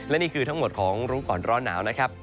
และนี่คือทั้งหมดของรู้ก่อนร้อนหนาวนะครับ